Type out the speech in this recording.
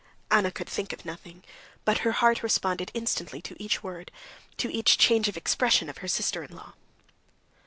Anna could think of nothing, but her heart responded instantly to each word, to each change of expression of her sister in law.